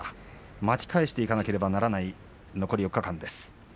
巻き返していかなくてはならない残り４日間です。